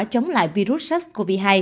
chống lại virus sars cov hai